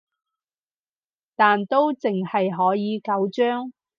但都淨係可以九張